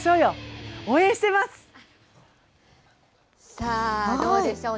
さあ、どうでしょう。